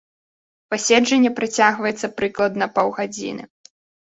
Паседжанне працягваецца прыкладна паўгадзіны.